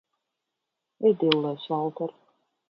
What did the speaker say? Ej dillēs, Valter!